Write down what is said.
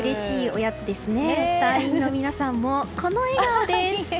隊員の皆さんもこの笑顔です！